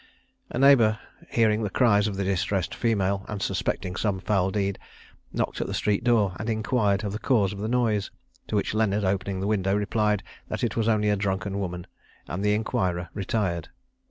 A neighbour hearing the cries of the distressed female, and suspecting some foul deed, knocked at the street door, and inquired the cause of the noise; to which Leonard, opening the window, replied that it was only a drunken woman: and the inquirer retired.